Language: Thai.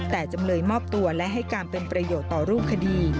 แต่จำเลยมอบตัวและให้การเป็นประโยชน์ต่อรูปคดี